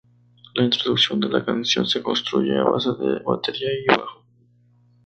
La introducción de la canción se construye a base de batería y bajo.